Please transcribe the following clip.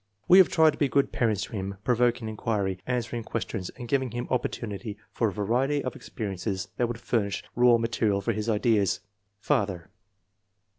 We have tried to be good parents to him, provoking inquiry, answering questions and giving him oppor tunity for a variety of experiences that would furnish raw material for his ideas." (Father.)